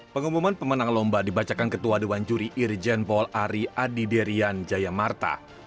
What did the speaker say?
pengumuman pemenang lomba dibacakan ketua dewan juri irjen paul ari adiderian jaya marta